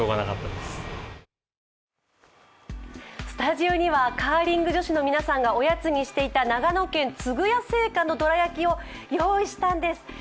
スタジオにはカーリング女子の皆さんがおやつにしていた長野県・津具屋製菓のどら焼を用意したんです。